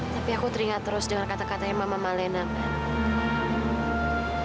tapi aku teringat terus dengan kata katanya mama malena kan